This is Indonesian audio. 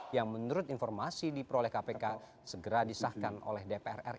yang menurut informasi diperoleh kpk segera disahkan oleh dpr ri